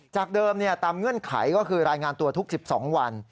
จากเดิมตามเงื่อนไขก็คือรายงานตัวทุก๑๒วัน